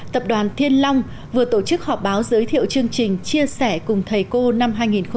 tập đoàn thiên long vừa tổ chức họp báo giới thiệu chương trình chia sẻ cùng thầy cô năm hai nghìn một mươi chín